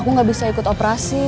aku nggak bisa ikut operasi